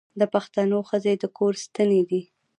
د پښتنو ښځې د کور ستنې دي.